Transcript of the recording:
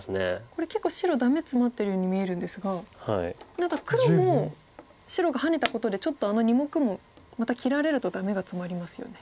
これ結構白ダメツマってるように見えるんですが黒も白がハネたことでちょっとあの２目もまた切られるとダメがツマりますよね。